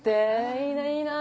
いいないいなあ。